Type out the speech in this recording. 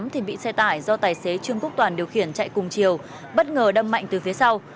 thì bị xe tải do tài xế trương quốc toàn điều khiển chạy cùng chiều bất ngờ đâm mạnh từ phía sau